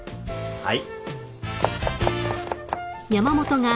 はい。